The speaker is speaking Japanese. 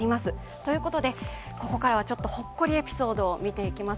ということでここからは、ほっこりエピソードを見ていきます。